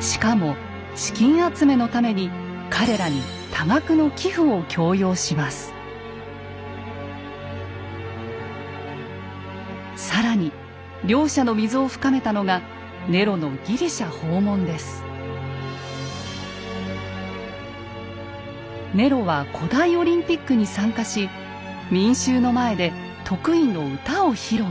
しかも資金集めのために彼らに更に両者の溝を深めたのがネロのネロは古代オリンピックに参加し民衆の前で得意の歌を披露。